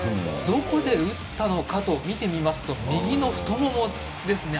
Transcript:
どこで打ったのかと見てみますと右の太ももですね。